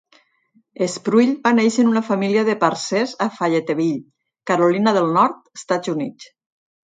Spruill va néixer en una família de parcers a Fayetteville, Carolina de Nord, Estats Units.